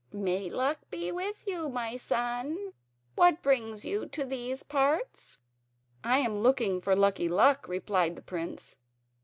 "May Luck be with you, my son. What brings you into these parts?" "I am looking for Lucky Luck," replied the prince.